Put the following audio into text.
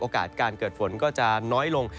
โอกาสการเกิดฝนก็จะน้อยลง